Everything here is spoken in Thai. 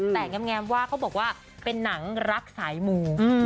แต่แงมว่าเขาบอกว่าเป็นหนังรักสายมู